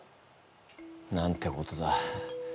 なんてことだ。